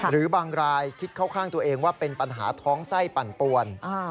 หรือบางรายคิดเข้าข้างตัวเองว่าเป็นปัญหาท้องไส้ปั่นปวน